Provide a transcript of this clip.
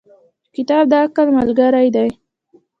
• کتاب د عقل ملګری دی.